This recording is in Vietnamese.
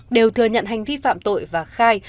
đều thừa nhận hành vi phạm tội và khai